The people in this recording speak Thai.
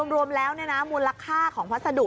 รวมแล้วมูลค่าของพัสดุ